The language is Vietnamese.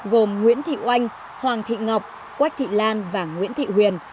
gồm nguyễn thị oanh hoàng thị ngọc quách thị lan và nguyễn thị huyền